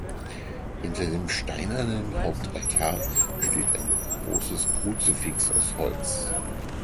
Hinter dem steinernen Hauptaltar steht ein großes Kruzifix aus Holz.